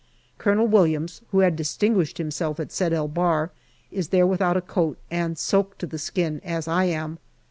Colonel Williams, who had distinguished himself at Sed el Bahr, is there without a coat, and soaked to the skin as I am.